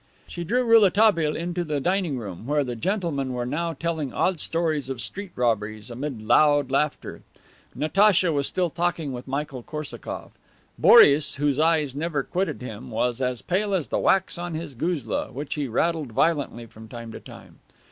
She drew Rouletabille into the dining room, where the gentlemen were now telling odd stories of street robberies amid loud laughter. Natacha was still talking with Michael Korsakoff; Boris, whose eyes never quitted them, was as pale as the wax on his guzla, which he rattled violently from time to time.